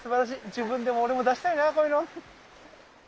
自分でも俺も出したいなこういうの。